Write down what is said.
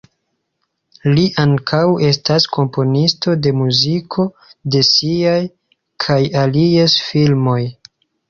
Li ankaŭ estas komponisto de muziko de siaj kaj alies filmoj.